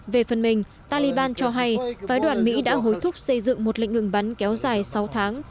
về phần mình taliban cho hay phái đoàn mỹ đã hối thúc xây dựng một lệnh ngừng bắn kéo dài sáu tháng